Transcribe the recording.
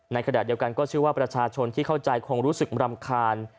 ในขณะเดียวกันก็เชื่อว่าประชาชนที่เข้าใจคงรู้สึกรำคาญ